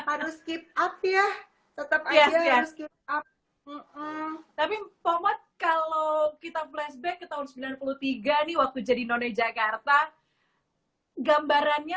harus keep up ya tetap tapi kalau kita flashback ke tahun sembilan puluh tiga nih waktu jadi nonjakarta gambarannya